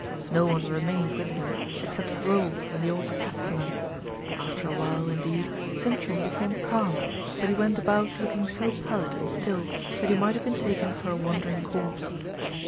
No one remained with him except Rolf and the old castellan. After a while, indeed, Sintram became calm, but he went about looking so pallid and still that he might have been taken for a wandering corpse.